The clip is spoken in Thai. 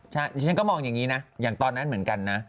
ใช่ฉันก็มองอย่างนี้นะอย่างตอนนั้นเหมือนกันนะ